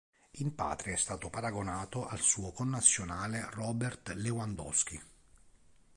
In patria è stato paragonato al suo connazionale Robert Lewandowski.